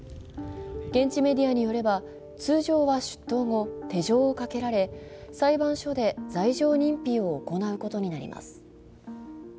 現地メディアによれば、通常は出頭後、手錠をかけられ裁判所で罪状認否を行うことになります。